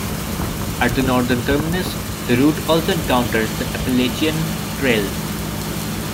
At the northern terminus, the route also encounters the Appalachian Trail.